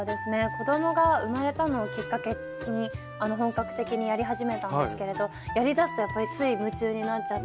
子供が生まれたのをきっかけに本格的にやり始めたんですけれどやりだすとやっぱりつい夢中になっちゃって。